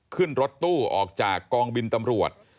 ขึ้นรถตู้ออกจากกองบินตำรวจ